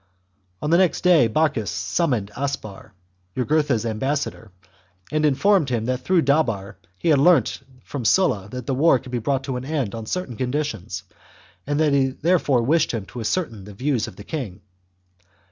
CHAP. On the next day Bocchus summoned Aspar, Jugur tha's ambassador, and informed him that through Dabar he had learnt from Sulla that the war could be brought to an end on certain conditions, and that he therefore wished him to ascertain the views of his king.